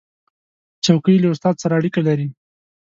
چوکۍ له استاد سره اړیکه لري.